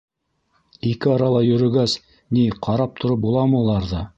Ике арала йөрөгәс, ни, ҡарап тороп буламы уларҙы.